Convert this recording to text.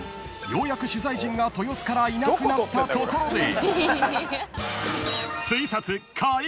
［ようやく取材陣が豊洲からいなくなったところで］